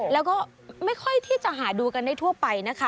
แล้วก็ไม่ค่อยที่จะหาดูกันได้ทั่วไปนะคะ